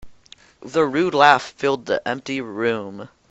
The rude laugh filled the empty room.